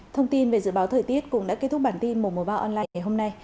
thông tin về dự báo thời tiết cũng đã kết thúc bản tin một trăm một mươi ba online ngày hôm nay